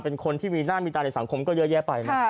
เป็นคนที่มีหน้ามีตาในสังคมก็เยอะแยะไปนะ